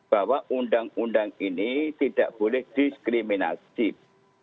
bahwa undang undang ini tidak boleh diskriminatif